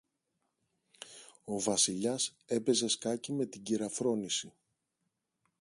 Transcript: Ο Βασιλιάς έπαιζε σκάκι με την κυρα-Φρόνηση.